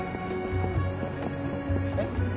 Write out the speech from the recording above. えっ？